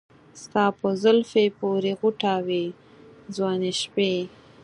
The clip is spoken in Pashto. ستا په زلفې پورې غوټه وې ځواني شپې